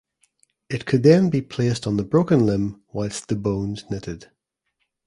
It could then be placed on the broken limb whilst the bones knitted.